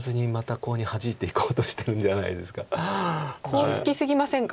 コウ好き過ぎませんか？